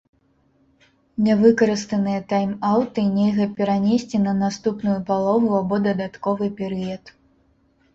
Нявыкарыстаныя тайм-аўты нельга перанесці на наступную палову або дадатковы перыяд.